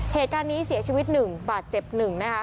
เหตุการณ์นี้เสียชีวิต๑บาทเจ็บ๑นะคะ